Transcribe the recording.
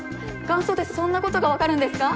顔相でそんなことがわかるんですか？